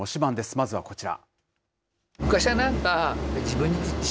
まずはこちら。